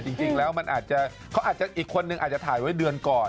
จริงแล้วมันอาจจะเขาอาจจะอีกคนนึงอาจจะถ่ายไว้เดือนก่อน